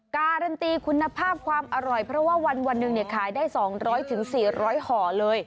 การันตีคุณภาพความอร่อยเพราะว่าวันนึงเนี่ยขายได้สองร้อยถึงสี่ร้อยข่อเลย